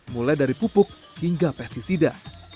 mulai dari pupuk hingga pesticida